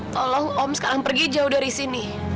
tolong om sekarang pergi jauh dari sini